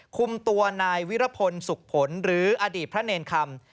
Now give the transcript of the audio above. คุมตัวนายวิรพลสุขผลหรืออดีตพระเนรคำ